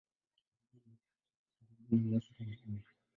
Jiji la karibu ni Moshi, Tanzania.